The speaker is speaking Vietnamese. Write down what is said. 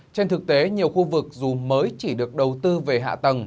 trên thực tế nhiều khu vực dù mới chỉ được đầu tư về hạ tầng